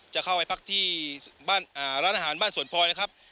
จะเข้าไปพักที่บ้านร้านอาหารบ้านสวนพลอยนะครับ